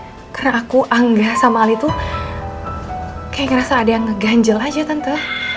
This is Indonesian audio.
ya karena aku sama anggah sama ali tuh kayak ngerasa ada yang ngeganjel aja tante